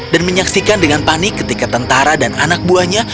dan menyaksikan dengan panik ketika tentara dan anak buahnya